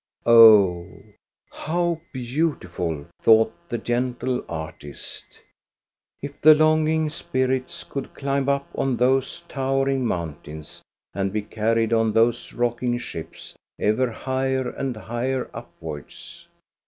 "Oh, how beautiful," thought the gentle artist, " if the longing spirits could climb up on those tow ering mountains and be carried on those rocking ships ever higher and higher upwards!"